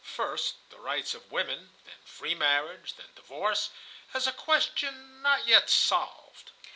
First, the rights of woman, then free marriage, then divorce, as a question not yet solved."